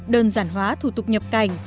đơn giản hóa thủ tục nhập cảnh